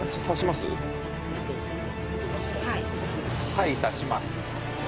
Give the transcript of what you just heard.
「はい。刺します」